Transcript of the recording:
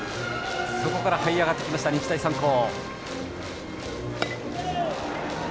そこからはい上がってきた日大三高。